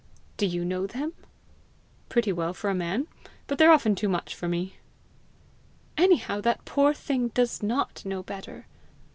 "Do you know them?" "Pretty well for a man; but they're often too much for me." "Anyhow that poor thing does not know better."